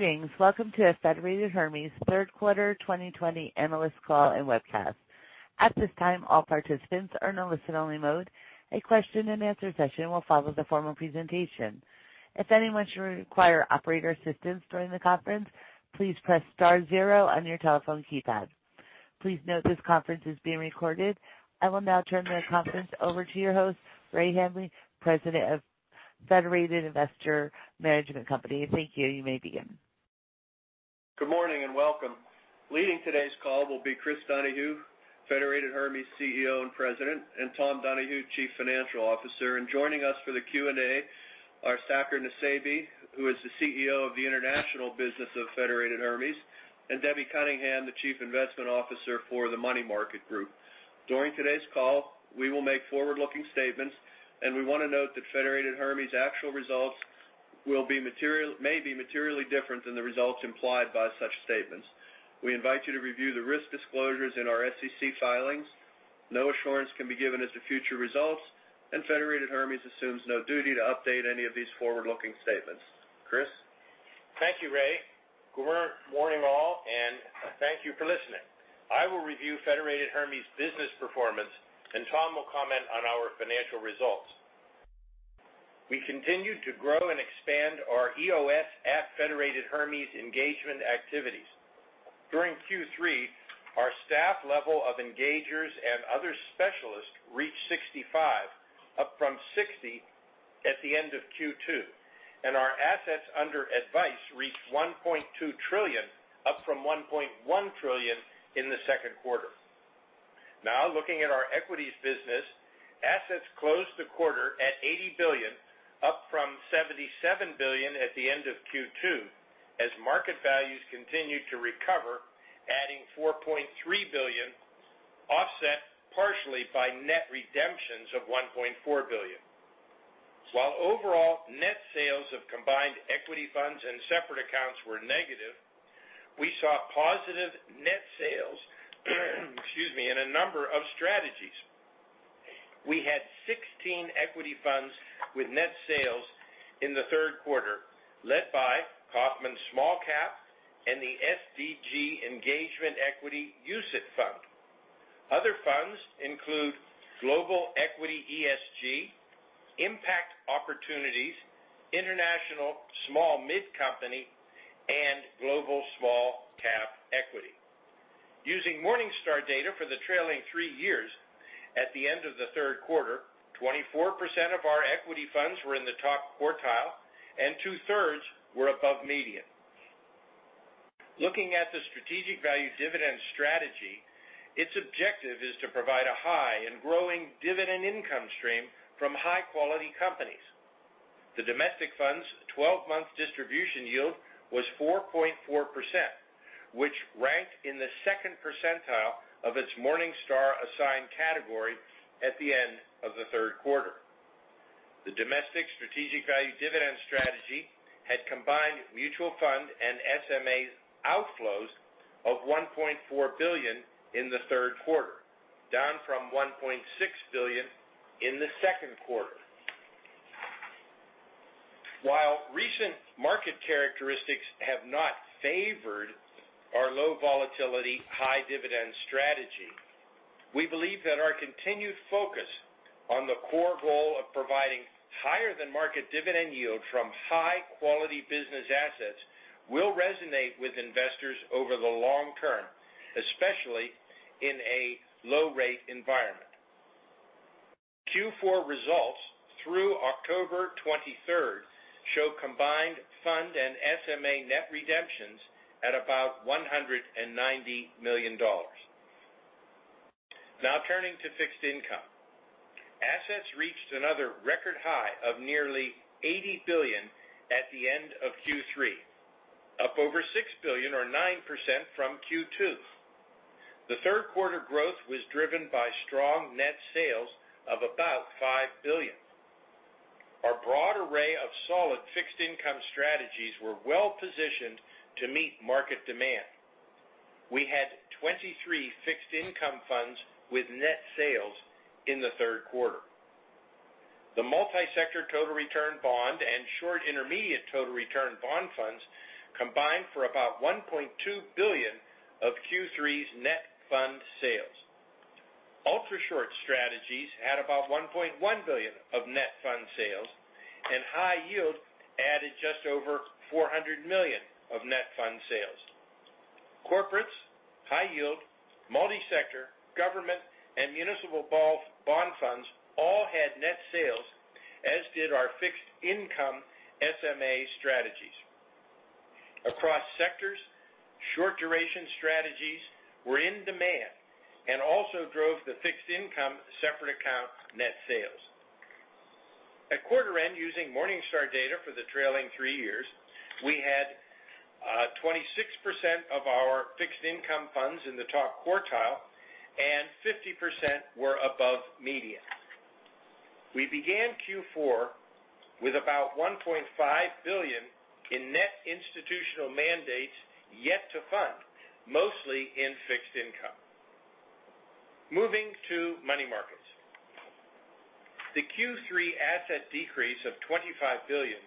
Greetings. Welcome to Federated Hermes third quarter 2020 analyst call and webcast. At this time, all participants are in listen-only mode. A question and answer session will follow the formal presentation. If anyone should require operator assistance during the conference, please press star zero on your telephone keypad. Please note this conference is being recorded. I will now turn the conference over to your host, Ray Hanley, President of Federated Investors Management Company. Thank you. You may begin. Good morning and welcome. Leading today's call will be Chris Donahue, Federated Hermes CEO and President, and Tom Donahue, Chief Financial Officer. Joining us for the Q&A are Saker Nusseibeh, who is the CEO of the international business of Federated Hermes, and Debbie Cunningham, the Chief Investment Officer for the money market group. During today's call, we will make forward-looking statements, and we want to note that Federated Hermes actual results may be materially different than the results implied by such statements. We invite you to review the risk disclosures in our SEC filings. No assurance can be given as to future results, and Federated Hermes assumes no duty to update any of these forward-looking statements. Chris? Thank you, Ray. Good morning all, and thank you for listening. I will review Federated Hermes business performance, and Tom will comment on our financial results. We continued to grow and expand our EOS at Federated Hermes engagement activities. During Q3, our staff level of engagers and other specialists reached 65, up from 60 at the end of Q2. Our assets under advice reached $1.2 trillion, up from $1.1 trillion in the second quarter. Now looking at our equities business, assets closed the quarter at $80 billion, up from $77 billion at the end of Q2 as market values continued to recover, adding $4.3 billion offset partially by net redemptions of $1.4 billion. While overall net sales of combined equity funds and separate accounts were negative, we saw positive net sales in a number of strategies. We had 16 equity funds with net sales in the third quarter, led by Kaufmann Small Cap and the SDG Engagement Equity UCITS Fund. Other funds include Global Equity ESG, Impact Opportunities, International Small-Mid Company, and Global Small Cap Equity. Using Morningstar data for the trailing three years at the end of the third quarter, 24% of our equity funds were in the top quartile and 2/3 were above median. Looking at the Strategic Value Dividend strategy, its objective is to provide a high and growing dividend income stream from high-quality companies. The domestic fund's 12-month distribution yield was 4.4%, which ranked in the second percentile of its Morningstar assigned category at the end of the third quarter. The domestic Strategic Value Dividend strategy had combined mutual fund and SMA outflows of $1.4 billion in the third quarter, down from $1.6 billion in the second quarter. While recent market characteristics have not favored our low volatility high dividend strategy, we believe that our continued focus on the core goal of providing higher than market dividend yield from high-quality business assets will resonate with investors over the long term, especially in a low rate environment. Q4 results through October 23rd show combined fund and SMA net redemptions at about $190 million. Turning to fixed income. Assets reached another record high of nearly $80 billion at the end of Q3, up over $6 billion or 9% from Q2. The third quarter growth was driven by strong net sales of about $5 billion. Our broad array of solid fixed income strategies were well-positioned to meet market demand. We had 23 fixed income funds with net sales in the third quarter. The Multi-Sector Total Return Bond and Short-Intermediate Total Return Bond funds combined for about $1.2 billion of Q3's net fund sales. Ultra short strategies had about $1.1 billion of net fund sales, and high yield added just over $400 million of net fund sales. Corporates, high yield, multi-sector, government, and municipal bond funds all had net sales, as did our fixed income SMA strategies. Across sectors, short duration strategies were in demand and also drove the fixed income separate account net sales. At quarter end, using Morningstar data for the trailing three years, we had 26% of our fixed income funds in the top quartile and 50% were above median. We began Q4 with about $1.5 billion in net institutional mandates yet to fund, mostly in fixed income. Moving to money markets. The Q3 asset decrease of $25 billion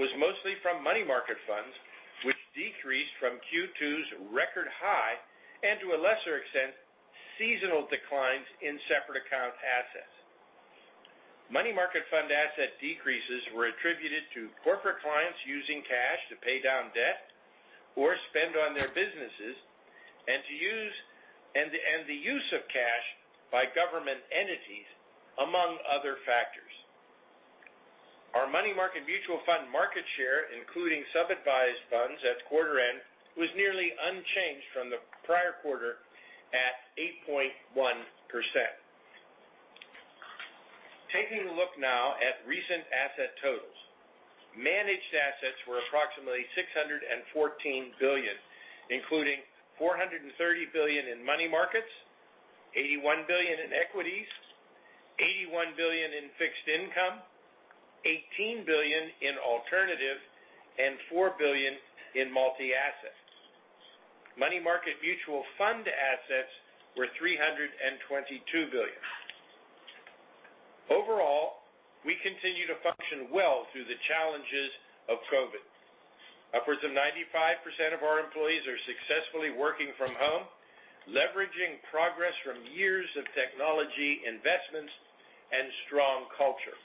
was mostly from money market funds, which decreased from Q2's record high, and to a lesser extent, seasonal declines in separate account assets. Money market fund asset decreases were attributed to corporate clients using cash to pay down debt or spend on their businesses, and the use of cash by government entities, among other factors. Our money market mutual fund market share, including sub-advised funds at quarter end, was nearly unchanged from the prior quarter at 8.1%. Taking a look now at recent asset totals. Managed assets were approximately $614 billion, including $430 billion in money markets, $81 billion in equities, $81 billion in fixed income, $18 billion in alternative, and $4 billion in multi-assets. Money market mutual fund assets were $322 billion. Overall, we continue to function well through the challenges of COVID. Upwards of 95% of our employees are successfully working from home, leveraging progress from years of technology investments and strong culture.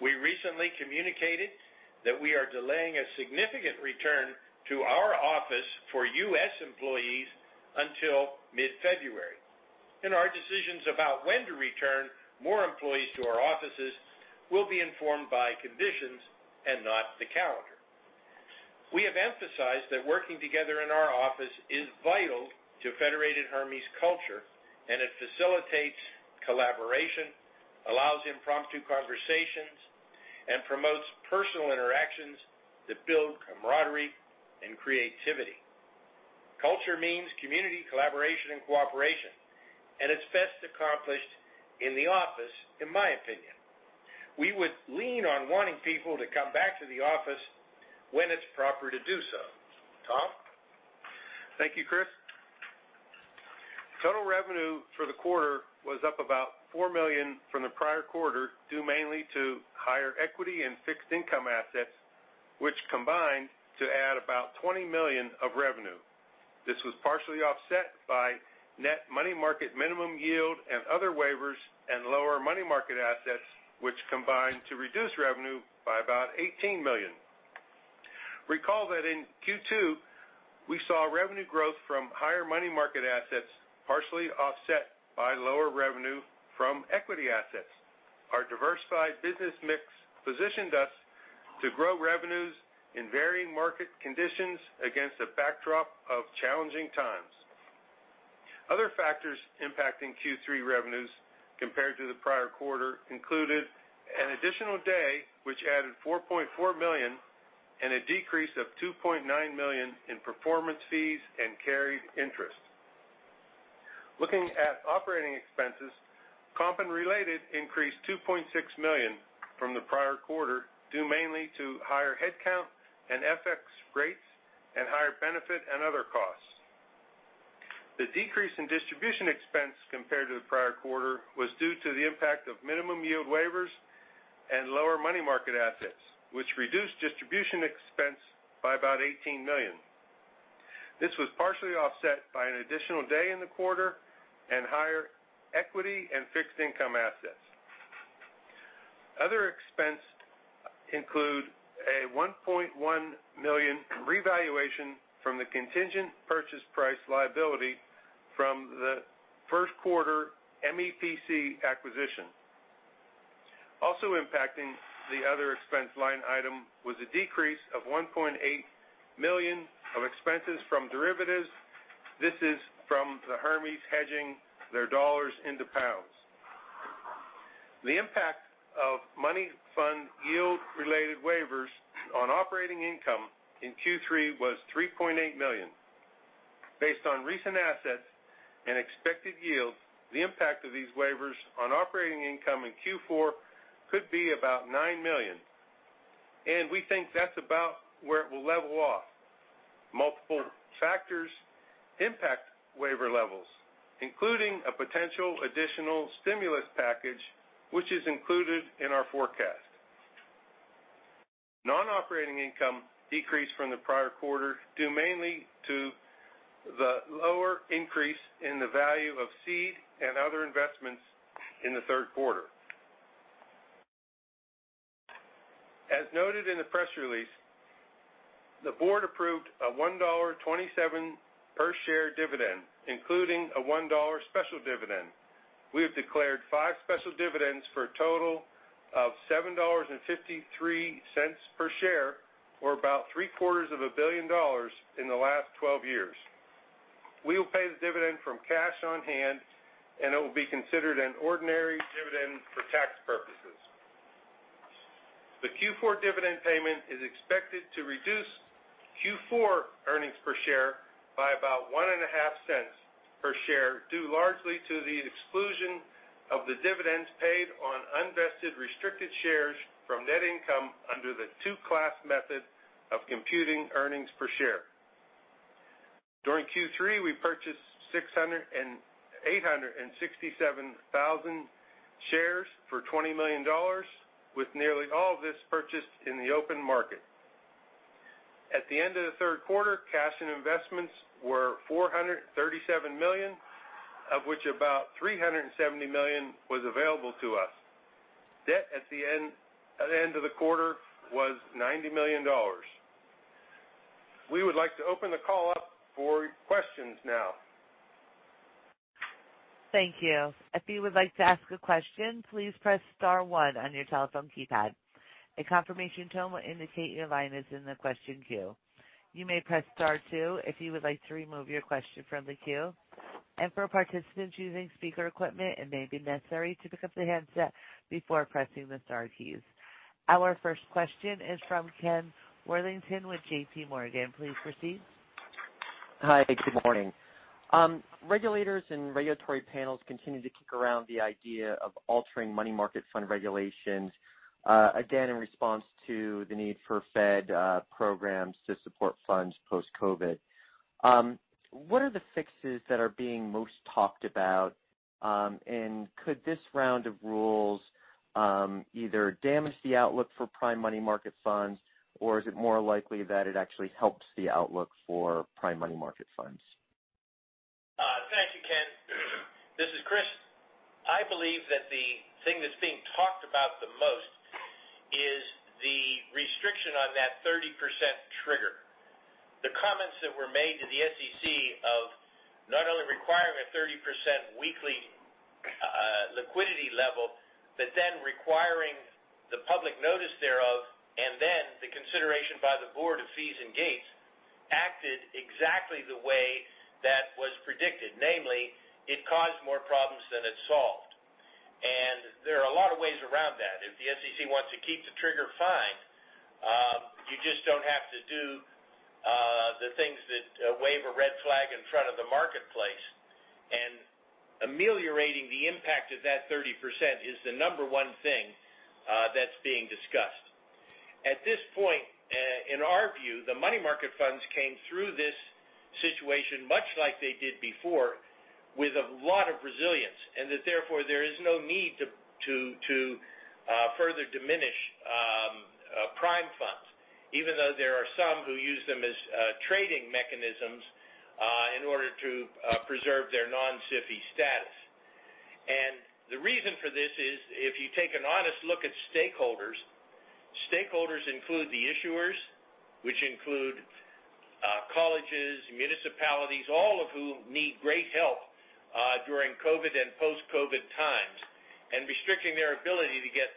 We recently communicated that we are delaying a significant return to our office for U.S. employees until mid-February, and our decisions about when to return more employees to our offices will be informed by conditions and not the calendar. We have emphasized that working together in our office is vital to Federated Hermes culture, and it facilitates collaboration, allows impromptu conversations, and promotes personal interactions that build camaraderie and creativity. Culture means community, collaboration, and cooperation, and it's best accomplished in the office, in my opinion. We would lean on wanting people to come back to the office when it's proper to do so. Tom? Thank you, Chris. Total revenue for the quarter was up about $4 million from the prior quarter, due mainly to higher equity in fixed income assets, which combined to add about $20 million of revenue. This was partially offset by net money market minimum yield and other waivers and lower money market assets, which combined to reduce revenue by about $18 million. Recall that in Q2, we saw revenue growth from higher money market assets partially offset by lower revenue from equity assets. Our diversified business mix positioned us to grow revenues in varying market conditions against a backdrop of challenging times. Other factors impacting Q3 revenues compared to the prior quarter included an additional day, which added $4.4 million, and a decrease of $2.9 million in performance fees and carried interest. Looking at operating expenses, comp and related increased $2.6 million from the prior quarter, due mainly to higher headcount and FX rates and higher benefit and other costs. The decrease in distribution expense compared to the prior quarter was due to the impact of minimum yield waivers and lower money market assets, which reduced distribution expense by about $18 million. This was partially offset by an additional day in the quarter and higher equity and fixed income assets. Other expense include a $1.1 million revaluation from the contingent purchase price liability from the first quarter MEPC acquisition. Also impacting the other expense line item was a decrease of $1.8 million of expenses from derivatives. This is from the Hermes hedging their dollars into pounds. The impact of money fund yield-related waivers on operating income in Q3 was $3.8 million. Based on recent assets and expected yields, the impact of these waivers on operating income in Q4 could be about $9 million, and we think that's about where it will level off. Multiple factors impact waiver levels, including a potential additional stimulus package, which is included in our forecast. Non-operating income decreased from the prior quarter, due mainly to the lower increase in the value of seed and other investments in the third quarter. As noted in the press release, the board approved a $1.27 per share dividend, including a $1 special dividend. We have declared five special dividends for a total of $7.53 per share, or about 3/4 of a billion dollars in the last 12 years. We will pay the dividend from cash on hand, and it will be considered an ordinary dividend for tax purposes. The Q4 dividend payment is expected to reduce Q4 earnings per share by about $0.015 per share, due largely to the exclusion of the dividends paid on unvested restricted shares from net income under the two-class method of computing earnings per share. During Q3, we purchased 867,000 shares for $20 million, with nearly all of this purchased in the open market. At the end of the third quarter, cash and investments were $437 million, of which about $370 million was available to us. Debt at the end of the quarter was $90 million. We would like to open the call up for questions now. Thank you. If you would like to ask a question, please press star one on your telephone keypad. A confirmation tone will indicate your line is in the question queue. You may press star two if you would like to remove your question from the queue. For participants using speaker equipment, it may be necessary to pick up the handset before pressing the star keys. Our first question is from Ken Worthington with JPMorgan. Please proceed. Hi. Good morning. Regulators and regulatory panels continue to kick around the idea of altering money market fund regulations, again, in response to the need for Fed programs to support funds post-COVID. What are the fixes that are being most talked about? Could this round of rules either damage the outlook for prime money market funds, or is it more likely that it actually helps the outlook for prime money market funds? Thank you, Ken. This is Chris. I believe that the thing that's being talked about the most is the restriction on that 30% trigger. The comments that were made to the SEC of not only requiring a 30% weekly liquidity level, but then requiring the public notice thereof, and then the consideration by the board of fees and gates acted exactly the way that was predicted, namely, it caused more problems than it solved. There are a lot of ways around that. If the SEC wants to keep the trigger, fine. You just don't have to do the things that wave a red flag in front of the marketplace. Ameliorating the impact of that 30% is the number one thing that's being discussed. At this point, in our view, the money market funds came through this situation much like they did before, with a lot of resilience. Therefore, there is no need to further diminish prime funds, even though there are some who use them as trading mechanisms in order to preserve their non-SIFI status. The reason for this is, if you take an honest look at stakeholders include the issuers, which include colleges, municipalities, all of who need great help during COVID and post-COVID times. Restricting their ability to get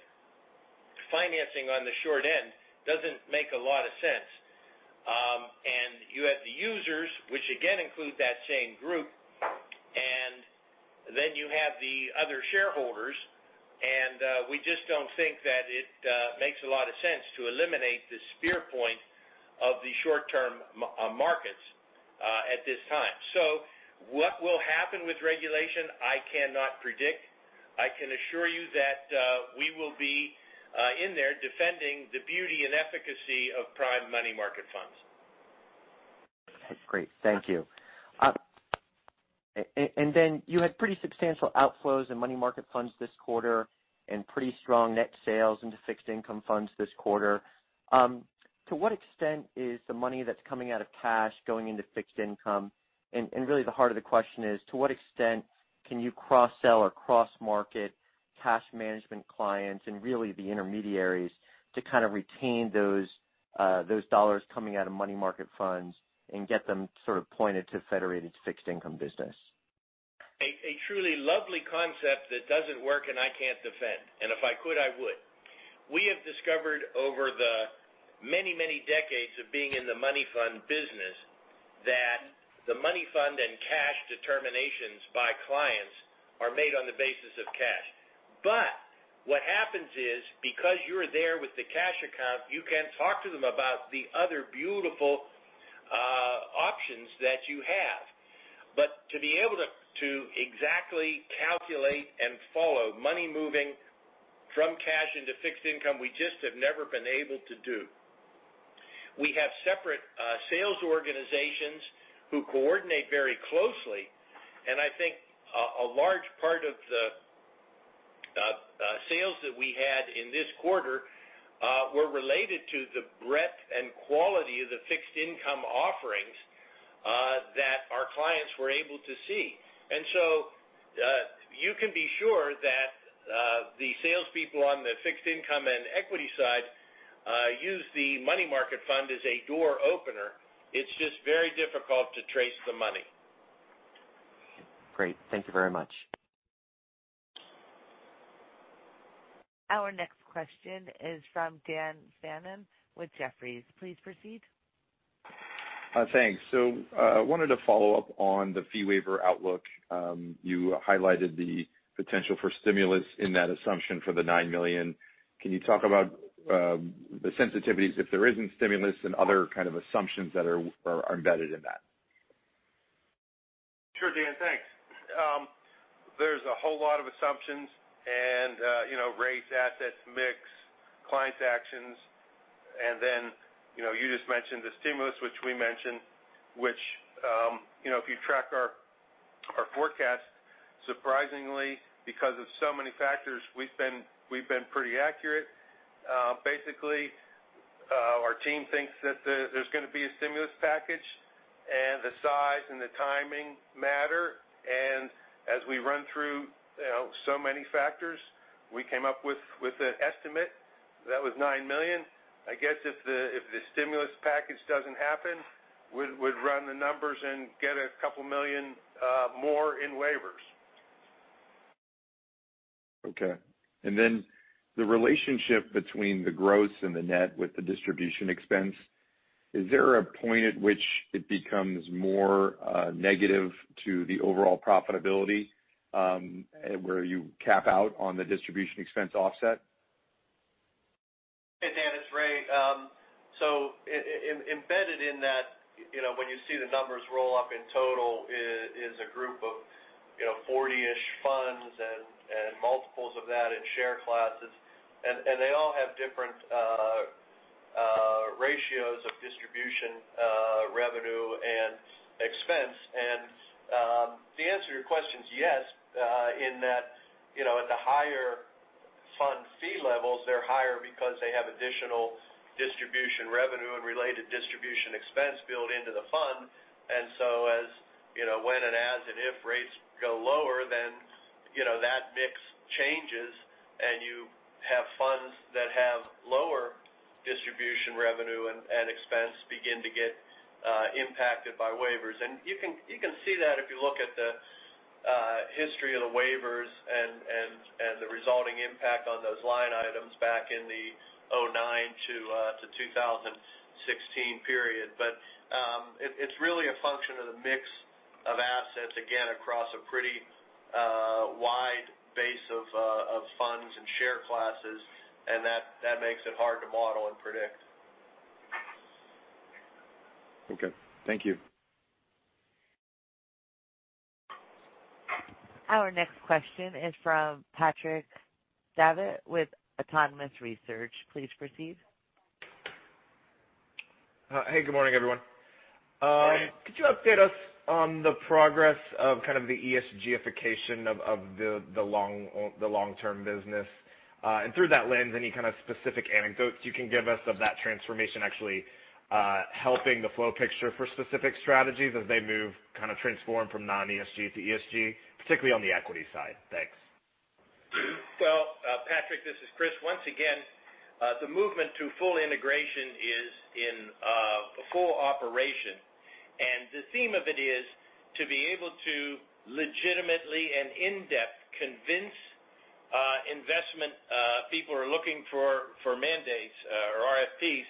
financing on the short end doesn't make a lot of sense. You have the users, which again include that same group. Then you have the other shareholders. We just don't think that it makes a lot of sense to eliminate the spear point of the short-term markets at this time. What will happen with regulation, I cannot predict. I can assure you that we will be in there defending the beauty and efficacy of prime money market funds. Great. Thank you. Then you had pretty substantial outflows in money market funds this quarter and pretty strong net sales into fixed income funds this quarter. To what extent is the money that's coming out of cash going into fixed income? Really the heart of the question is, to what extent can you cross-sell or cross-market cash management clients and really the intermediaries to kind of retain those dollars coming out of money market funds and get them sort of pointed to Federated's fixed income business? A truly lovely concept that doesn't work, and I can't defend. If I could, I would. We have discovered over the many, many decades of being in the money fund business that the money fund and cash determinations by clients are made on the basis of cash. What happens is, because you're there with the cash account, you can talk to them about the other beautiful options that you have. To be able to exactly calculate and follow money moving from cash into fixed income, we just have never been able to do. We have separate sales organizations who coordinate very closely, and I think a large part of the sales that we had in this quarter were related to the breadth and quality of the fixed income offerings that our clients were able to see. You can be sure that the salespeople on the fixed income and equity side use the money market fund as a door opener. It's just very difficult to trace the money. Great. Thank you very much. Our next question is from Dan Fannon with Jefferies. Please proceed. Thanks. I wanted to follow up on the fee waiver outlook. You highlighted the potential for stimulus in that assumption for the $9 million. Can you talk about the sensitivities if there isn't stimulus and other kind of assumptions that are embedded in that? Sure, Dan. Thanks. There's a whole lot of assumptions and rates, assets, mix, clients' actions, and then you just mentioned the stimulus, which we mentioned, which if you track our forecast, surprisingly, because of so many factors, we've been pretty accurate. Basically, our team thinks that there's going to be a stimulus package, and the size and the timing matter. As we run through so many factors, we came up with an estimate that was $9 million. I guess if the stimulus package doesn't happen, we'd run the numbers and get $2 million more in waivers. Okay. The relationship between the gross and the net with the distribution expense, is there a point at which it becomes more negative to the overall profitability, where you cap out on the distribution expense offset? Hey, Dan, it's Ray. Embedded in that, when you see the numbers roll up in total is a group of 40-ish funds and multiples of that in share classes. They all have different ratios of distribution revenue and expense. The answer to your question is yes, in that at the higher fund fee levels, they're higher because they have additional distribution revenue and related distribution expense built into the fund. As when, and as, and if rates go lower, then that mix changes, and you have funds that have lower distribution revenue and expense begin to get impacted by waivers. You can see that if you look at the history of the waivers and the resulting impact on those line items back in the '09 to 2016 period. It's really a function of the mix of assets, again, across a pretty wide base of funds and share classes, and that makes it hard to model and predict. Okay. Thank you. Our next question is from Patrick Davitt with Autonomous Research. Please proceed. Hey, good morning, everyone. Morning. Could you update us on the progress of kind of the ESG-ification of the long-term business? Through that lens, any kind of specific anecdotes you can give us of that transformation actually helping the flow picture for specific strategies as they move, kind of transform from non-ESG to ESG, particularly on the equity side? Thanks. Well, Patrick, this is Chris. Once again, the movement to full integration is in full operation. The theme of it is to be able to legitimately and in-depth convince investment people who are looking for mandates or RFPs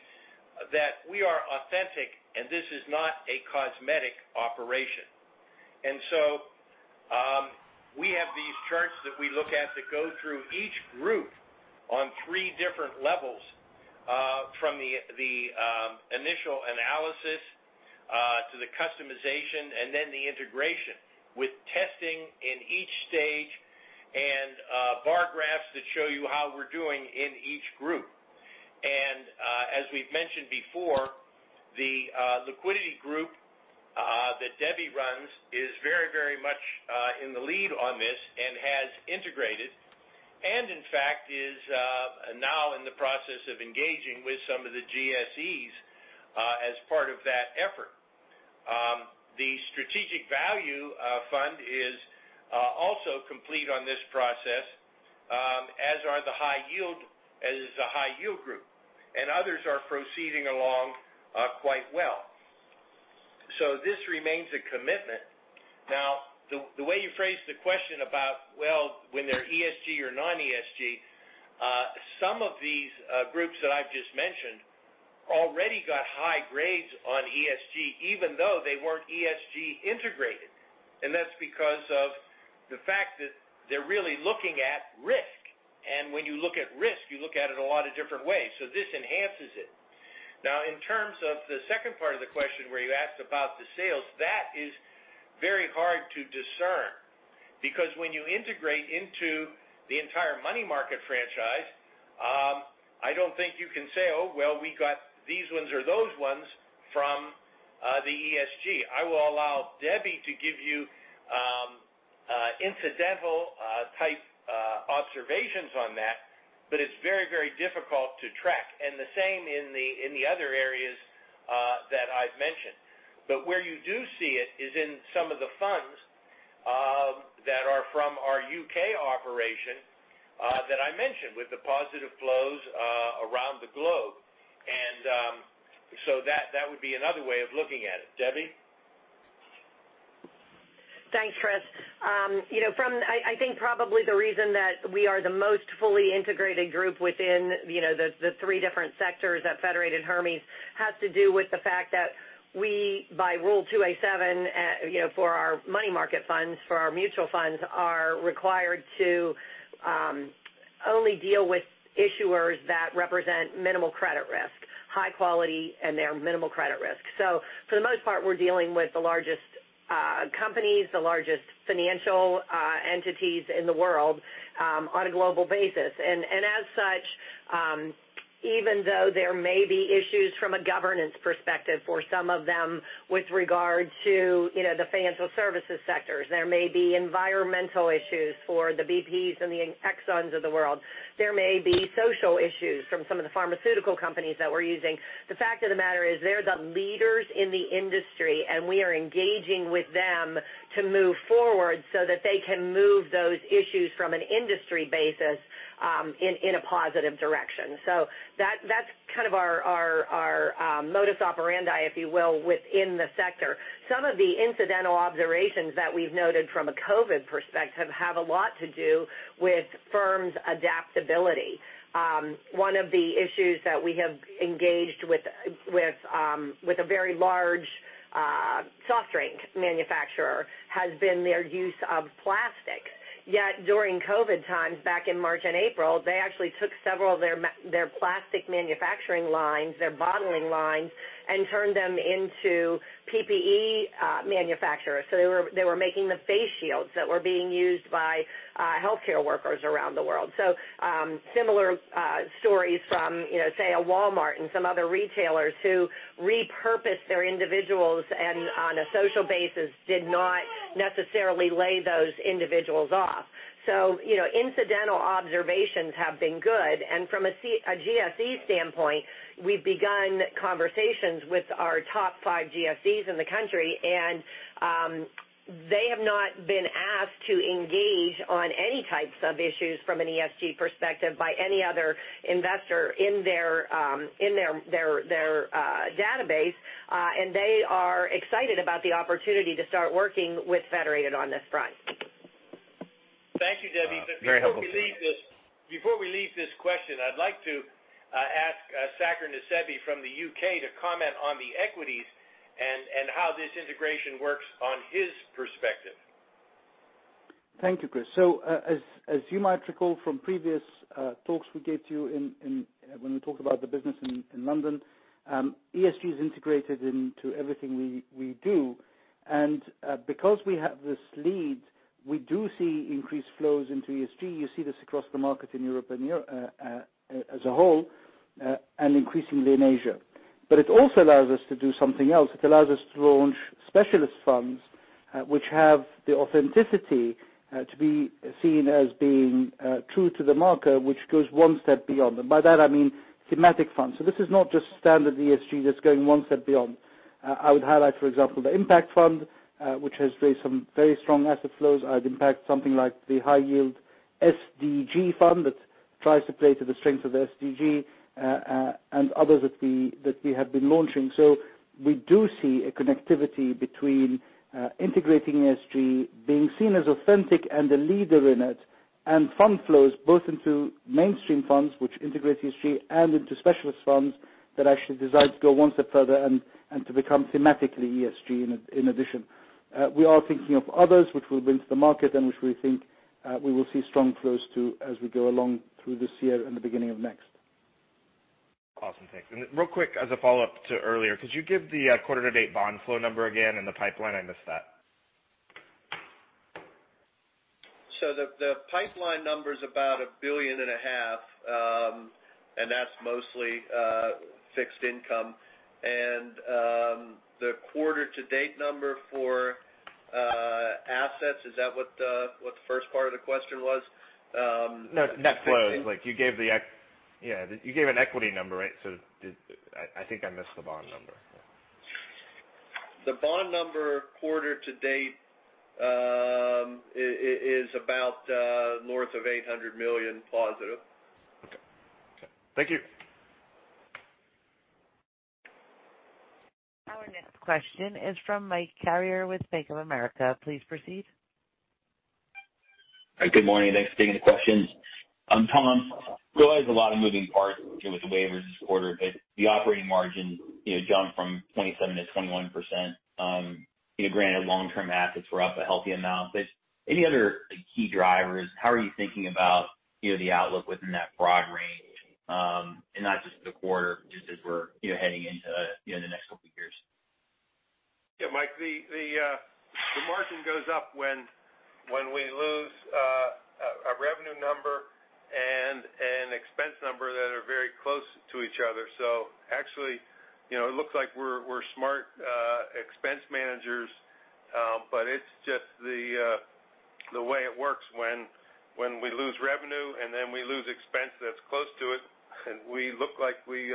that we are authentic, and this is not a cosmetic operation. We have these charts that we look at that go through each group on three different levels. From the initial analysis to the customization, and then the integration with testing in each stage and bar graphs that show you how we're doing in each group. As we've mentioned before, the liquidity group that Debbie runs is very much in the lead on this and has integrated, and in fact, is now in the process of engaging with some of the GSEs as part of that effort. The Strategic Value Dividend is also complete on this process, as are the high yield group, and others are proceeding along quite well. This remains a commitment. Now, the way you phrased the question about, well, when they're ESG or non-ESG, some of these groups that I've just mentioned already got high grades on ESG even though they weren't ESG integrated. That's because of the fact that they're really looking at risk. When you look at risk, you look at it a lot of different ways. This enhances it. In terms of the second part of the question where you asked about the sales, that is very hard to discern because when you integrate into the entire money market franchise, I don't think you can say, "Oh, well, we got these ones or those ones from the ESG." I will allow Debbie to give you incidental type observations on that, but it's very difficult to track. The same in the other areas that I've mentioned. Where you do see it is in some of the funds that are from our U.K. operation that I mentioned with the positive flows around the globe. That would be another way of looking at it. Debbie? Thanks, Chris. I think probably the reason that we are the most fully integrated group within the three different sectors at Federated Hermes has to do with the fact that we, by Rule 2a-7 for our money market funds, for our mutual funds, are required to only deal with issuers that represent minimal credit risk, high quality, and they are minimal credit risk. For the most part, we're dealing with the largest companies, the largest financial entities in the world on a global basis. As such, even though there may be issues from a governance perspective for some of them with regard to the financial services sectors, there may be environmental issues for the BPs and the Exxons of the world. There may be social issues from some of the pharmaceutical companies that we're using. The fact of the matter is they're the leaders in the industry, and we are engaging with them to move forward so that they can move those issues from an industry basis in a positive direction. That's kind of our modus operandi, if you will, within the sector. Some of the incidental observations that we've noted from a COVID perspective have a lot to do with firms' adaptability. One of the issues that we have engaged with a very large soft drink manufacturer has been their use of plastic. Yet, during COVID times, back in March and April, they actually took several of their plastic manufacturing lines, their bottling lines, and turned them into PPE manufacturers. They were making the face shields that were being used by healthcare workers around the world. Similar stories from, say, a Walmart and some other retailers who repurposed their individuals and on a social basis did not necessarily lay those individuals off. Incidental observations have been good. From a GSE standpoint, we've begun conversations with our top five GSEs in the country, and they have not been asked to engage on any types of issues from an ESG perspective by any other investor in their database. They are excited about the opportunity to start working with Federated on this front. Thank you, Debbie. Very helpful. Before we leave this question, I'd like to ask Saker Nusseibeh from the U.K. to comment on the equities and how this integration works on his perspective. Thank you, Chris. As you might recall from previous talks we gave to you when we talked about the business in London, ESG is integrated into everything we do. Because we have this lead, we do see increased flows into ESG. You see this across the market in Europe as a whole, and increasingly in Asia. It also allows us to do something else. It allows us to launch specialist funds which have the authenticity to be seen as being true to the market, which goes one step beyond. By that I mean thematic funds. This is not just standard ESG that's going one step beyond. I would highlight, for example, the impact fund, which has raised some very strong asset flows. Impact something like the high yield SDG fund that tries to play to the strength of the SDG, and others that we have been launching. We do see a connectivity between integrating ESG, being seen as authentic and a leader in it, and fund flows both into mainstream funds which integrate ESG and into specialist funds that actually decide to go one step further and to become thematically ESG in addition. We are thinking of others which we will bring to the market and which we think we will see strong flows, too, as we go along through this year and the beginning of next. Awesome. Thanks. Real quick, as a follow-up to earlier, could you give the quarter to date bond flow number again and the pipeline? I missed that. The pipeline number's about a billion and a half. That's mostly fixed income. The quarter to date number for assets, is that what the first part of the question was? No, net flows. You gave an equity number, right? I think I missed the bond number. The bond number quarter to date is about north of $800 million positive. Okay. Thank you. Our next question is from Mike Carrier with Bank of America. Please proceed. Good morning. Thanks for taking the questions. Tom, realize a lot of moving parts with the waivers this quarter, but the operating margin jumped from 27%-21%. Granted long-term assets were up a healthy amount, but any other key drivers, how are you thinking about the outlook within that broad range? Not just the quarter, just as we're heading into the next couple of years. Yeah, Mike, the margin goes up when we lose a revenue number and an expense number that are very close to each other. Actually, it looks like we're smart expense managers. It's just the way it works when we lose revenue and then we lose expense that's close to it, we look like we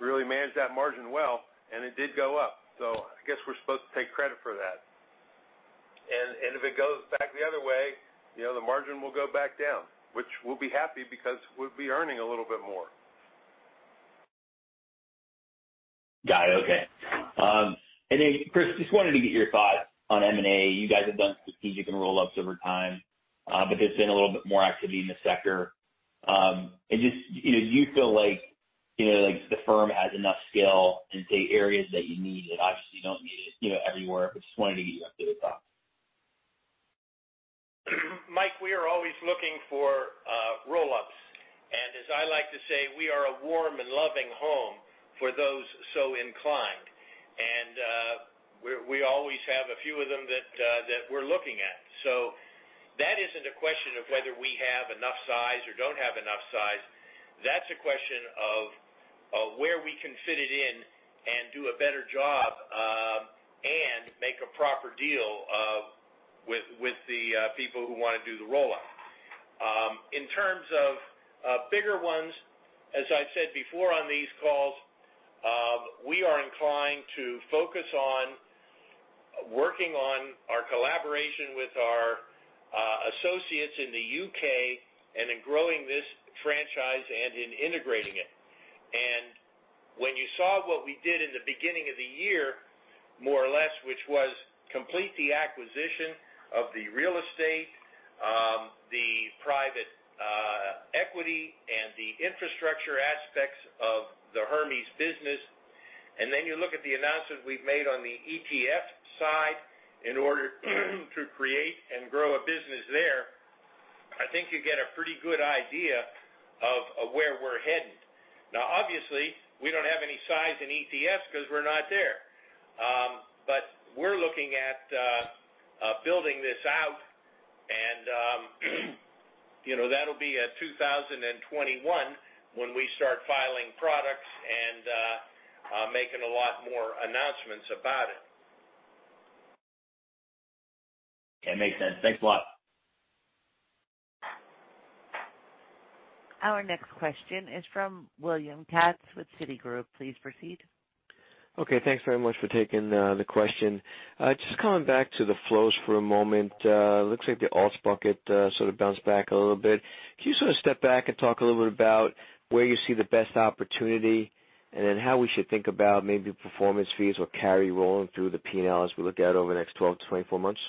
really managed that margin well, and it did go up. I guess we're supposed to take credit for that. If it goes back the other way, the margin will go back down, which we'll be happy because we'll be earning a little bit more. Got it. Okay. Chris, just wanted to get your thoughts on M&A. You guys have done strategic and roll-ups over time, but there's been a little bit more activity in the sector. Do you feel like the firm has enough scale into areas that you need. Obviously, you don't need it everywhere, but just wanted to get you up to date on that. Mike, we are always looking for roll-ups. As I like to say, we are a warm and loving home for those so inclined. We always have a few of them that we're looking at. That isn't a question of whether we have enough size or don't have enough size. That's a question of where we can fit it in and do a better job, and make a proper deal with the people who want to do the roll-up. In terms of bigger ones, as I've said before on these calls, we are inclined to focus on working on our collaboration with our associates in the U.K., and in growing this franchise and in integrating it. When you saw what we did in the beginning of the year, more or less, which was complete the acquisition of the real estate, the private equity, and the infrastructure aspects of the Hermes business. You look at the announcement we've made on the ETF side in order to create and grow a business there. I think you get a pretty good idea of where we're headed. Obviously, we don't have any size in ETFs because we're not there. We're looking at building this out and that'll be at 2021 when we start filing products and making a lot more announcements about it. Okay. Makes sense. Thanks a lot. Our next question is from William Katz with Citigroup. Please proceed. Okay, thanks very much for taking the question. Just coming back to the flows for a moment. Looks like the alts bucket sort of bounced back a little bit. Can you sort of step back and talk a little bit about where you see the best opportunity, and then how we should think about maybe performance fees or carry rolling through the P&L as we look out over the next 12-24 months?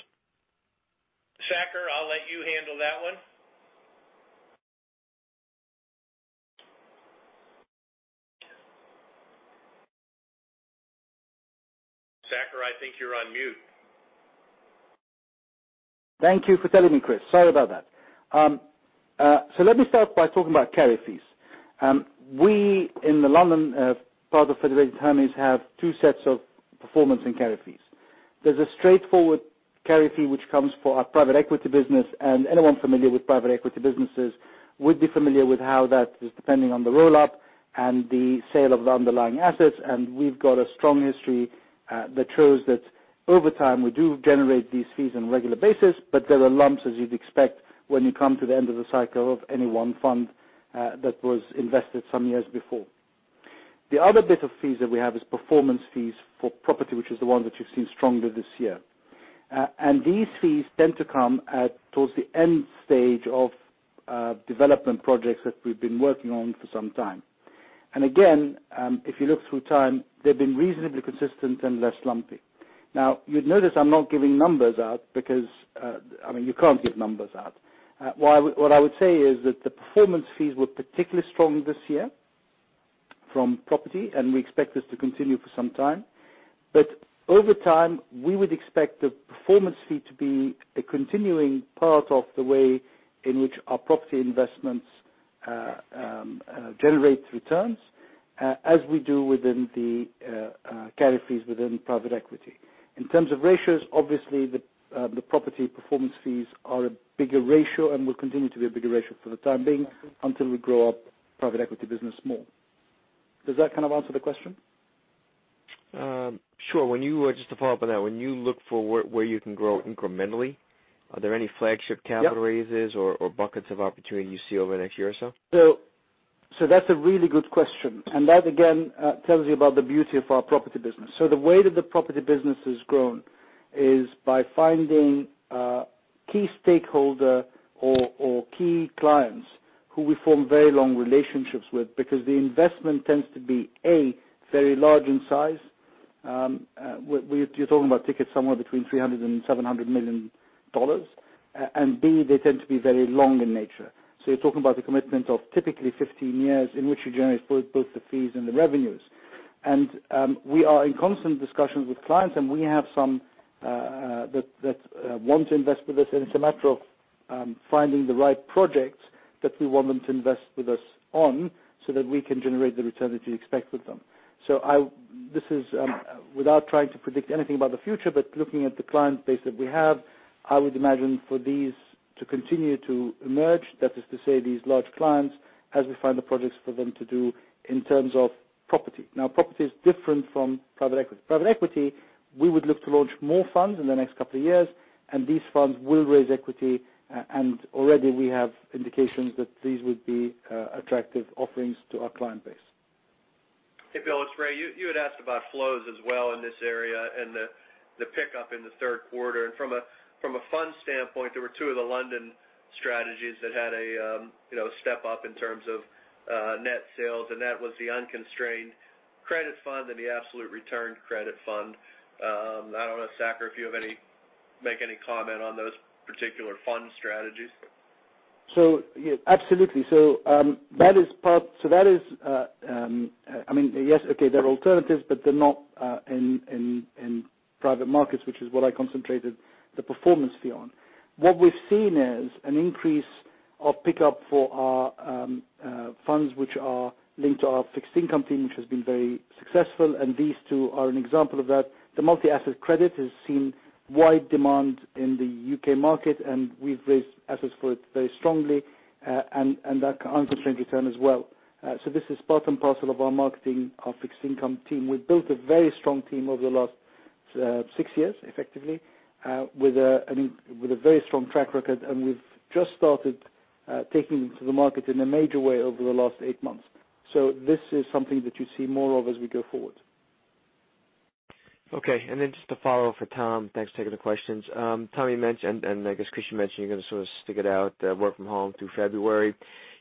Saker, I'll let you handle that one. Saker, I think you're on mute. Thank you for telling me, Chris. Sorry about that. Let me start by talking about carry fees. We, in the London part of Federated Hermes, have two sets of performance and carry fees. There's a straightforward carry fee which comes for our private equity business. Anyone familiar with private equity businesses would be familiar with how that is depending on the roll-up and the sale of the underlying assets. We've got a strong history that shows that over time, we do generate these fees on a regular basis. There are lumps, as you'd expect, when you come to the end of the cycle of any one fund that was invested some years before. The other bit of fees that we have is performance fees for property, which is the one that you've seen stronger this year. These fees tend to come towards the end stage of development projects that we've been working on for some time. Again, if you look through time, they've been reasonably consistent and less lumpy. Now, you'd notice I'm not giving numbers out because you can't give numbers out. What I would say is that the performance fees were particularly strong this year from property, and we expect this to continue for some time. Over time, we would expect the performance fee to be a continuing part of the way in which our property investments generate returns as we do within the carry fees within private equity. In terms of ratios, obviously, the property performance fees are a bigger ratio and will continue to be a bigger ratio for the time being until we grow up private equity business more. Does that kind of answer the question? Sure. Just to follow up on that, when you look for where you can grow incrementally, are there any flagship capital raises or buckets of opportunity you see over the next year or so? That's a really good question, and that again tells you about the beauty of our property business. The way that the property business has grown is by finding a key stakeholder or key clients who we form very long relationships with because the investment tends to be, A, very large in size. You're talking about tickets somewhere between $300 million-$700 million. B, they tend to be very long in nature. You're talking about the commitment of typically 15 years in which you generate both the fees and the revenues. We are in constant discussions with clients, and we have some that want to invest with us, and it's a matter of finding the right projects that we want them to invest with us on so that we can generate the return that you expect with them. This is without trying to predict anything about the future, but looking at the client base that we have, I would imagine for these to continue to emerge, that is to say, these large clients, as we find the projects for them to do in terms of property. Property is different from private equity. Private equity, we would look to launch more funds in the next couple of years, and these funds will raise equity. Already we have indications that these would be attractive offerings to our client base. Hey, Bill, it's Ray. You had asked about flows as well in this area and the pickup in the third quarter. From a fund standpoint, there were two of the London strategies that had a step up in terms of net sales, and that was the Unconstrained Credit Fund and the Absolute Return Credit Fund. I don't know, Saker, if you have any make any comment on those particular fund strategies? Yes, absolutely. That is, yes, okay, they're alternatives, but they're not in private markets, which is what I concentrated the performance fee on. What we've seen is an increase of pickup for our funds which are linked to our fixed income team, which has been very successful, and these two are an example of that. The Multi-Asset Credit has seen wide demand in the U.K. market, and we've raised assets for it very strongly. That concentrated return as well. This is part and parcel of our marketing, our fixed income team. We've built a very strong team over the last six years, effectively, with a very strong track record, and we've just started taking to the market in a major way over the last eight months. This is something that you see more of as we go forward. Okay. Just a follow-up for Tom. Thanks for taking the questions. Tom, you mentioned, and I guess Chris, you mentioned you're going to sort of stick it out, work from home through February.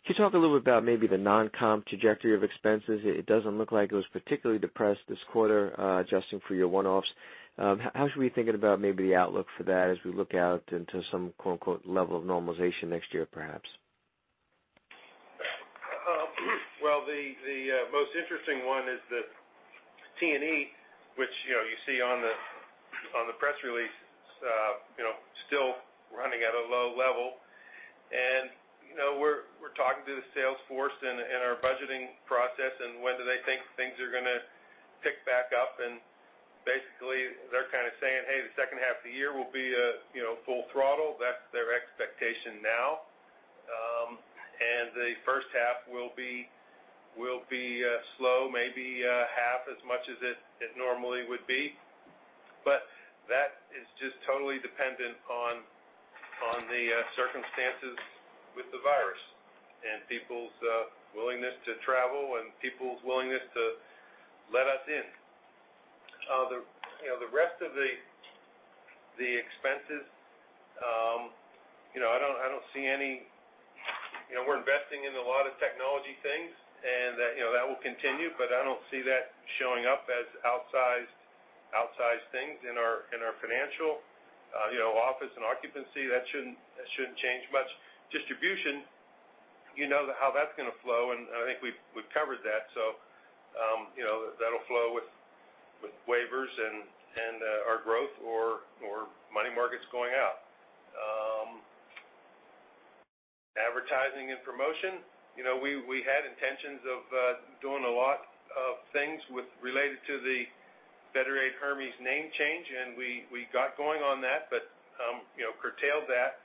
Can you talk a little bit about maybe the non-comp trajectory of expenses? It doesn't look like it was particularly depressed this quarter adjusting for your one-offs. How should we be thinking about maybe the outlook for that as we look out into some quote unquote "level of normalization" next year, perhaps? Well, the most interesting one is the T&E, which you see on the press release, still running at a low level. We're talking to the sales force and our budgeting process, and when do they think things are going to pick back up. Basically, they're kind of saying, "Hey, the second half of the year will be full throttle." That's their expectation now. The first half will be slow, maybe half as much as it normally would be. That is just totally dependent on the circumstances with the virus and people's willingness to travel and people's willingness to let us in. The rest of the expenses, We're investing in a lot of technology things, and that will continue, but I don't see that showing up as outsized things in our financial office and occupancy. That shouldn't change much. Distribution, you know how that's going to flow, and I think we've covered that. That'll flow with waivers and our growth or money markets going out. Advertising and promotion. We had intentions of doing a lot of things related to the Federated Hermes name change, and we got going on that, but curtailed that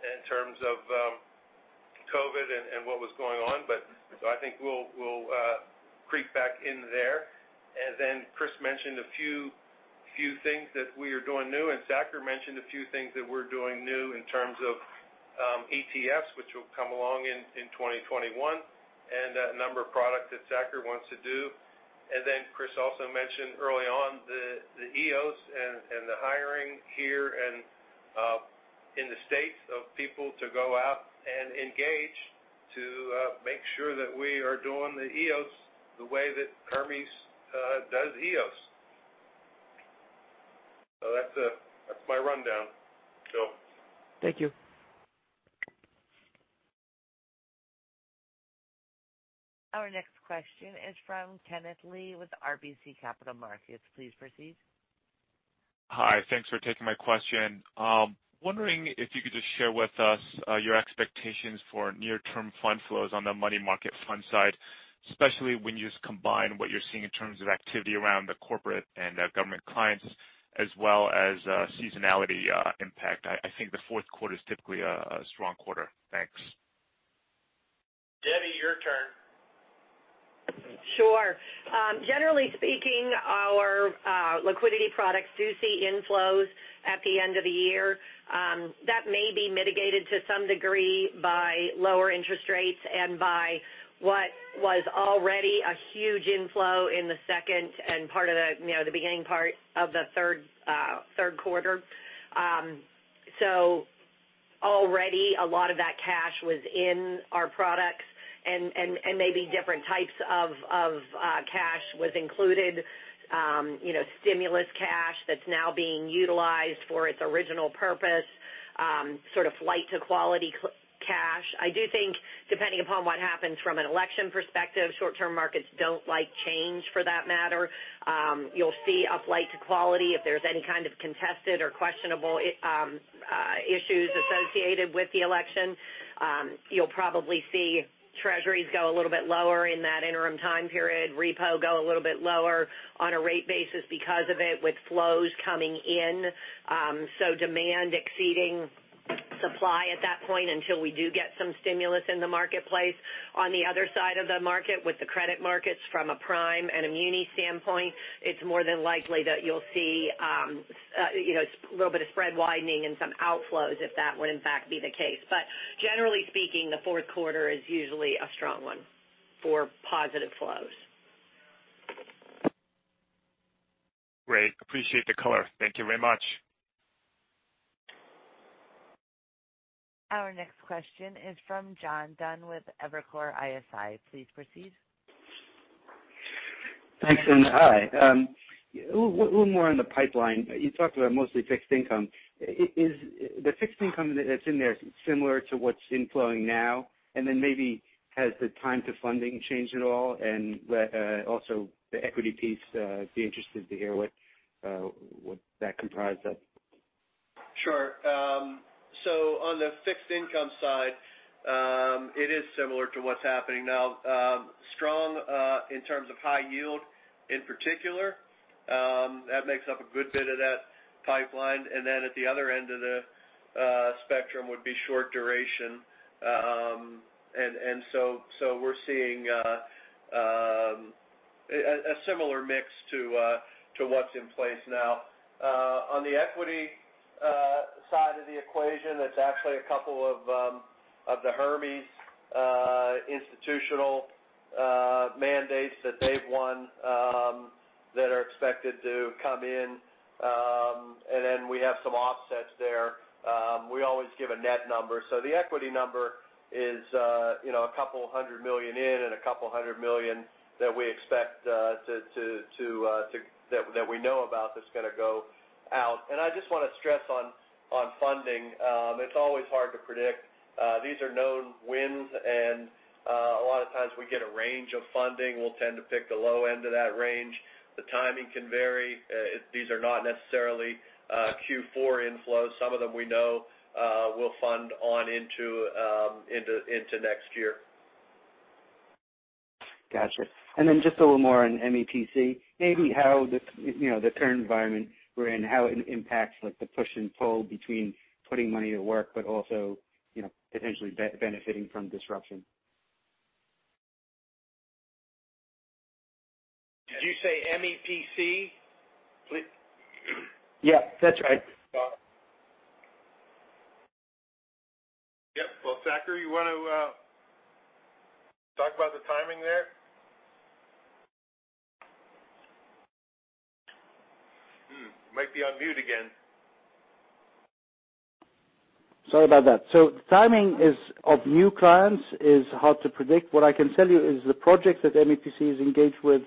in terms of COVID and what was going on. I think we'll creep back in there. Then Chris mentioned a few things that we are doing new, and Saker mentioned a few things that we're doing new in terms of ETFs, which will come along in 2021, and a number of products that Saker wants to do. Chris also mentioned early on the EOS and the hiring here and in the U.S. of people to go out and engage to make sure that we are doing the EOS the way that Hermes does EOS. That's my rundown. Thank you. Our next question is from Kenneth Lee with RBC Capital Markets. Please proceed. Hi. Thanks for taking my question. Wondering if you could just share with us your expectations for near-term fund flows on the money market fund side, especially when you combine what you're seeing in terms of activity around the corporate and government clients as well as seasonality impact. I think the fourth quarter is typically a strong quarter. Thanks. Debbie, your turn. Sure. Generally speaking, our liquidity products do see inflows at the end of the year. That may be mitigated to some degree by lower interest rates and by what was already a huge inflow in the second and the beginning part of the third quarter. Already a lot of that cash was in our products and maybe different types of cash was included. Stimulus cash that's now being utilized for its original purpose, sort of flight to quality cash. I do think depending upon what happens from an election perspective, short-term markets don't like change for that matter. You'll see a flight to quality if there's any kind of contested or questionable issues associated with the election. You'll probably see treasuries go a little bit lower in that interim time period, repo go a little bit lower on a rate basis because of it, with flows coming in. Demand exceeding supply at that point until we do get some stimulus in the marketplace. On the other side of the market, with the credit markets from a prime and a muni standpoint, it's more than likely that you'll see a little bit of spread widening and some outflows if that would in fact be the case. Generally speaking, the fourth quarter is usually a strong one for positive flows. Great. Appreciate the color. Thank you very much. Our next question is from John Dunn with Evercore ISI. Please proceed. Thanks. Hi. A little more on the pipeline. You talked about mostly fixed income. Is the fixed income that's in there similar to what's inflowing now? Maybe has the time to funding changed at all? The equity piece, be interested to hear what that comprised of. Sure. On the fixed income side, it is similar to what's happening now, strong in terms of high yield in particular. That makes up a good bit of that pipeline, and then at the other end of the spectrum would be short duration. We're seeing a similar mix to what's in place now. On the equity side of the equation, it's actually a couple of the Hermes institutional mandates that they've won that are expected to come in, and then we have some offsets there. We always give a net number. The equity number is a couple $100 million in and a couple $100 million that we know about that's going to go out. I just want to stress on funding, it's always hard to predict. These are known wins and a lot of times we get a range of funding, we'll tend to pick the low end of that range. The timing can vary. These are not necessarily Q4 inflows. Some of them we know will fund on into next year. Got you. Then just a little more on MEPC. Maybe how the current environment we're in, how it impacts the push and pull between putting money to work, but also potentially benefiting from disruption? Did you say MEPC? Yeah, that's right. Yep. Well, Saker, you want to talk about the timing there? Might be on mute again. Sorry about that. Timing of new clients is hard to predict. What I can tell you is the projects that MEPC is engaged with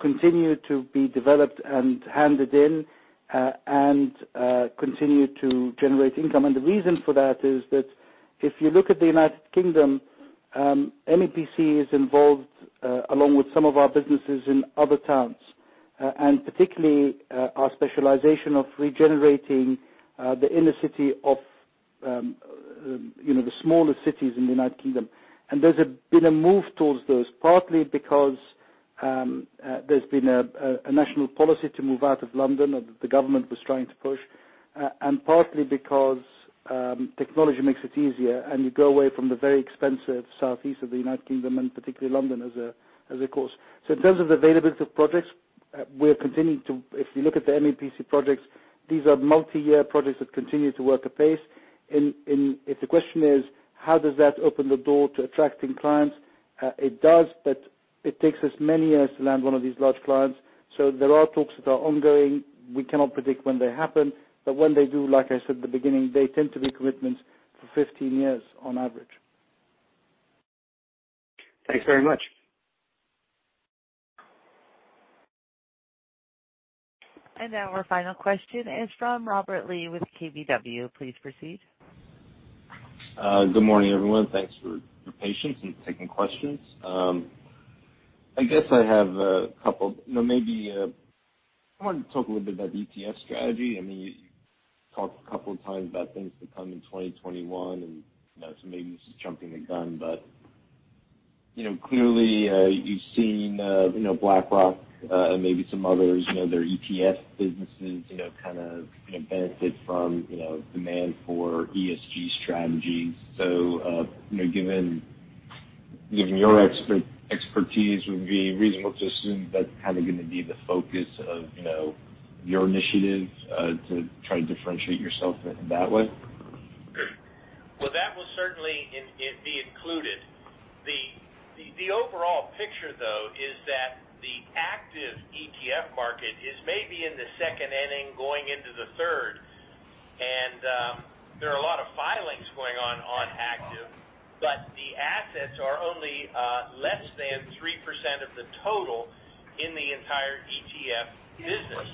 continue to be developed and handed in, and continue to generate income. The reason for that is that if you look at the U.K., MEPC is involved along with some of our businesses in other towns, and particularly our specialization of regenerating the inner city of the smaller cities in the U.K. There's been a move towards those, partly because there's been a national policy to move out of London, or the government was trying to push, and partly because technology makes it easier, and you go away from the very expensive southeast of the U.K. and particularly London as a course. In terms of availability of projects, if you look at the MEPC projects, these are multi-year projects that continue to work apace. If the question is, how does that open the door to attracting clients? It does, but it takes us many years to land one of these large clients. There are talks that are ongoing. We cannot predict when they happen, but when they do, like I said at the beginning, they tend to be commitments for 15 years on average. Thanks very much. Now our final question is from Robert Lee with KBW. Please proceed. Good morning, everyone. Thanks for your patience in taking questions. I guess I have a couple. I wanted to talk a little bit about the ETF strategy. You talked a couple times about things to come in 2021, maybe this is jumping the gun, clearly, you've seen BlackRock, and maybe some others, their ETF businesses kind of benefit from demand for ESG strategies. Given your expertise, would it be reasonable to assume that's going to be the focus of your initiative to try to differentiate yourself in that way? Well, that will certainly be included. The overall picture, though, is that the active ETF market is maybe in the second inning going into the third. There are a lot of filings going on active, but the assets are only less than 3% of the total in the entire ETF business.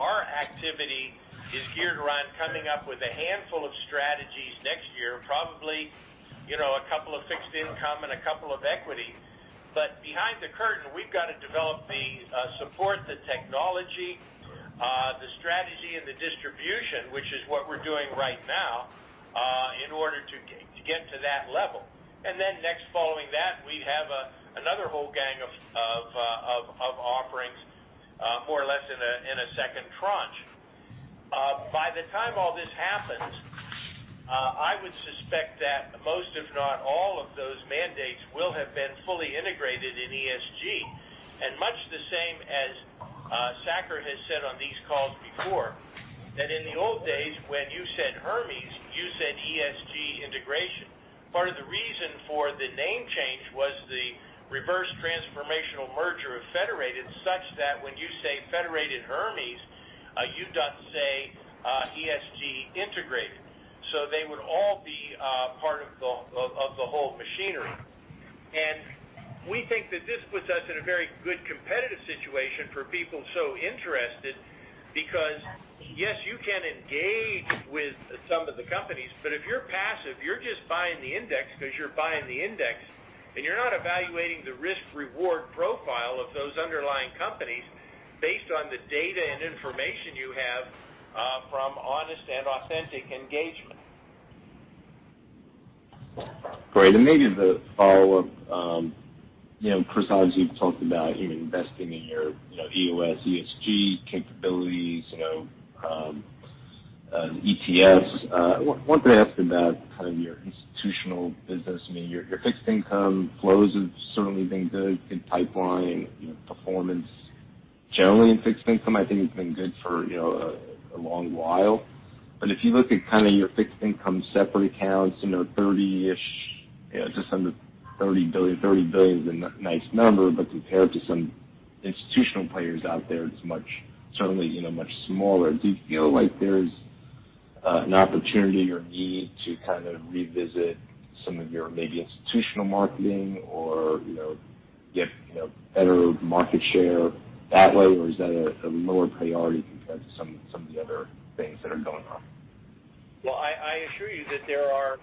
Our activity is geared around coming up with a handful of strategies next year, probably a couple of fixed income and a couple of equity. Behind the curtain, we've got to develop the support, the technology, the strategy and the distribution, which is what we're doing right now in order to get to that level. Next following that, we have another whole gang of offerings, more or less in a second tranche. By the time all this happens, I would suspect that most, if not all of those mandates will have been fully integrated in ESG. Much the same as Saker has said on these calls before, that in the old days, when you said Hermes, you said ESG integration. Part of the reason for the name change was the reverse transformational merger of Federated, such that when you say Federated Hermes, you don't say ESG integrated. They would all be part of the whole machinery. We think that this puts us in a very good competitive situation for people so interested, because yes, you can engage with some of the companies, but if you're passive, you're just buying the index because you're buying the index, and you're not evaluating the risk-reward profile of those underlying companies based on the data and information you have from honest and authentic engagement. Great. Maybe the follow-up, Chris, obviously, you've talked about investing in your EOS ESG capabilities, ETFs. One thing I asked about your institutional business, your fixed income flows have certainly been good in pipeline. Performance generally in fixed income, I think, has been good for a long while. If you look at your fixed income separate accounts, just under $30 billion is a nice number, but compared to some institutional players out there, it's certainly much smaller. Do you feel like there's an opportunity or need to revisit some of your maybe institutional marketing or get better market share that way? Is that a lower priority compared to some of the other things that are going on? I assure you that there are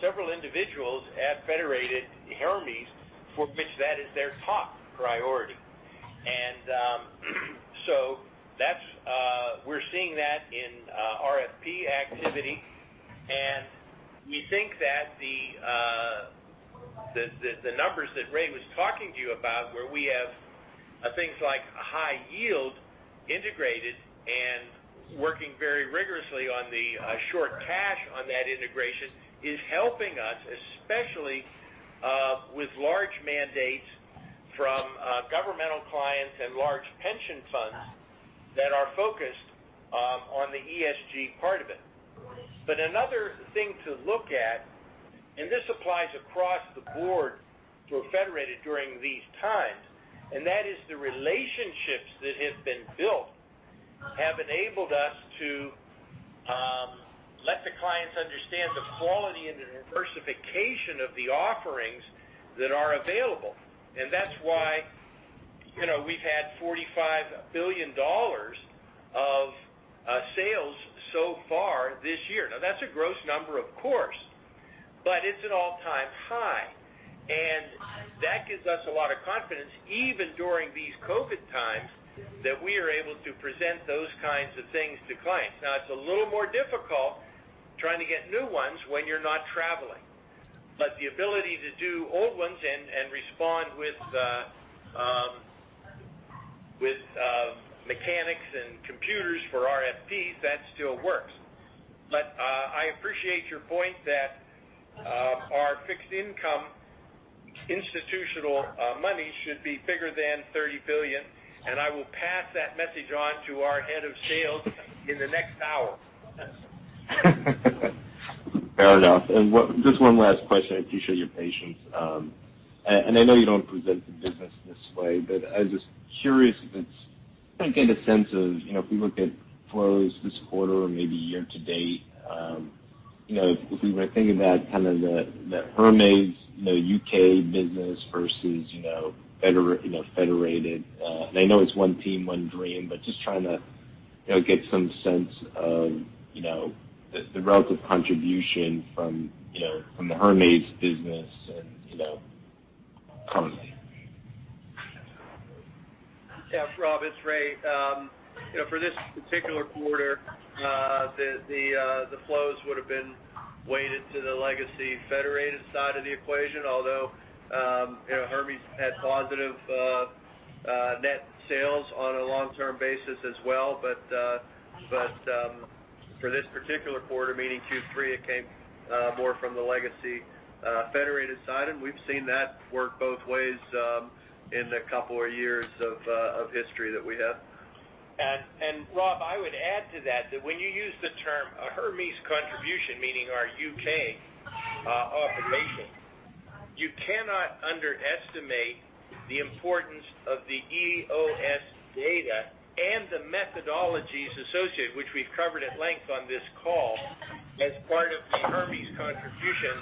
several individuals at Federated Hermes for which that is their top priority. We're seeing that in RFP activity, and we think that the numbers that Ray was talking to you about where we have things like high yield integrated and working very rigorously on the short cash on that integration is helping us, especially with large mandates from governmental clients and large pension funds that are focused on the ESG part of it. Another thing to look at, and this applies across the board to Federated during these times, and that is the relationships that have been built have enabled us to let the clients understand the quality and the diversification of the offerings that are available. That's why we've had $45 billion of sales so far this year. That's a gross number, of course, but it's an all-time high, and that gives us a lot of confidence, even during these COVID times, that we are able to present those kinds of things to clients. It's a little more difficult trying to get new ones when you're not traveling. The ability to do old ones and respond with mechanics and computers for RFPs, that still works. I appreciate your point that our fixed income institutional money should be bigger than $30 billion, and I will pass that message on to our head of sales in the next hour. Fair enough. Just one last question. I appreciate your patience. I know you don't present the business this way, but I was just curious, trying to get a sense of, if we look at flows this quarter or maybe year to date, if we were thinking about the Hermes U.K. business versus Federated. I know it's one team, one dream, but just trying to get some sense of the relative contribution from the Hermes business and company. Rob, it's Ray. For this particular quarter, the flows would've been weighted to the legacy Federated side of the equation, although Hermes had positive net sales on a long-term basis as well. For this particular quarter, meaning Q3, it came more from the legacy Federated side, and we've seen that work both ways in the couple of years of history that we have. Rob, I would add to that when you use the term Hermes contribution, meaning our U.K. operation, you cannot underestimate the importance of the EOS data and the methodologies associated, which we've covered at length on this call as part of the Hermes contribution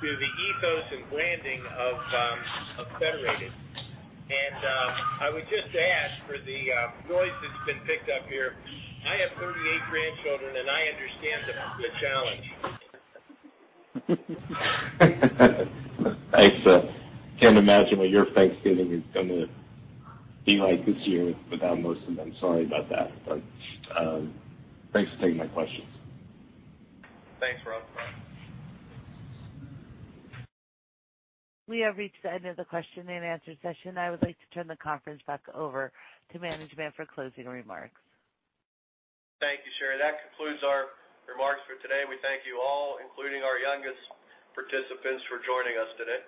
to the ethos and branding of Federated. I would just ask for the noise that's been picked up here. I have 38 grandchildren, and I understand the challenge. I can't imagine what your Thanksgiving is going to be like this year without most of them. Sorry about that. Thanks for taking my questions. Thanks, Rob. We have reached the end of the question and answer session. I would like to turn the conference back over to management for closing remarks. Thank you, Sherry. That concludes our remarks for today. We thank you all, including our youngest participants, for joining us today.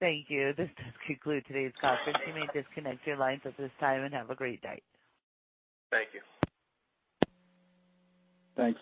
Thank you. This does conclude today's conference. You may disconnect your lines at this time, and have a great day. Thank you. Thanks.